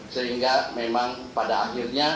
sehingga memang pada akhirnya